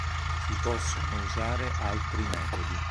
Si possono usare altri metodi.